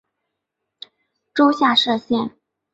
州下设县。